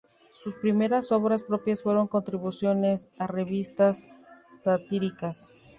Sus primeras obras propias fueron contribuciones a revistas satíricas.